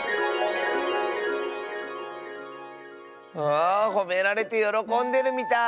あほめられてよろこんでるみたい。